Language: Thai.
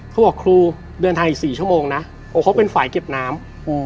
เขาบอกครูเดินไทย๔ชั่วโมงนะเขาเป็นฝ่ายเก็บน้ำ